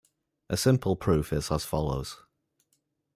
A simple proof is as follows.